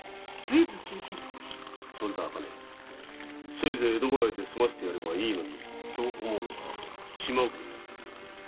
せいぜい江戸払いで済ませればと思うのが島送りになっている。